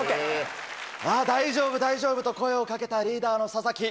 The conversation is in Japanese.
「大丈夫大丈夫」と声を掛けたリーダーの佐々木。